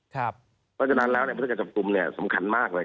เพราะฉะนั้นแล้วนักบริษัทการจับกลุ่มสำคัญมากเลยครับ